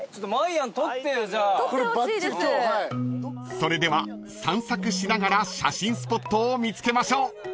［それでは散策しながら写真スポットを見つけましょう］